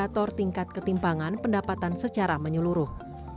faktor tingkat ketimpangan pendapatan secara menyeluruh